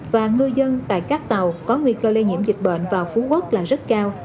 và ngư dân tại các tàu có nguy cơ lây nhiễm dịch bệnh vào phú quốc là rất cao